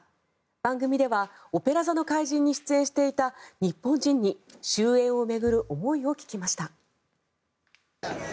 番組では、「オペラ座の怪人」に出演していた日本人に終演を巡る思いを語りました。